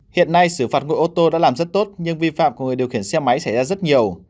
hiện nay xử phạt nguộ ô tô đã làm rất tốt nhưng vi phạm của người điều khiển xe máy xảy ra rất nhiều